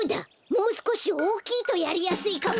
もうすこしおおきいとやりやすいかも！